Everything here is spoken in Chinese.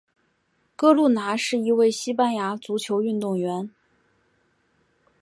哥路拿是一位西班牙足球运动员。